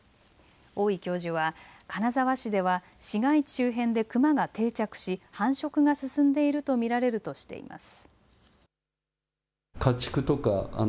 大井教授は金沢市では市街地周辺でクマが定着し繁殖が進んでいると見られるとしています。